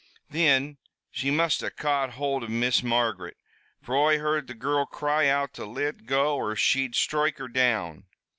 Thin she must have caught hould av Miss Margaret, fer Oi heard the girrul cry out to lit go or she'd stroike her down.